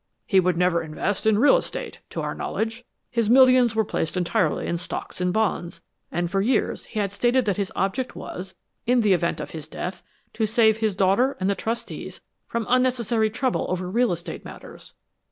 He would never invest in real estate, to our knowledge. His millions were placed entirely in stocks and bonds, and for years he had stated that his object was, in the event of his death, to save his daughter and the trustees from unnecessary trouble over real estate matters.